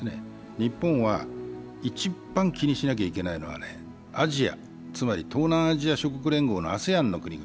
日本は一番気にしなきゃいけないのはアジア、つまり東南アジア諸国連合のＡＳＥＡＮの国々。